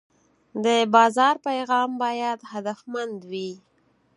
د بازار پیغام باید هدفمند وي.